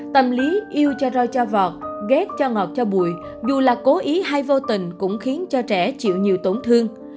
tâm lý yêu cho roi cho vọt ghét cho ngọt cho bụi dù là cố ý hay vô tình cũng khiến cho trẻ chịu nhiều tổn thương